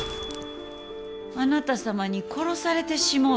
あなた様に殺されてしもうた。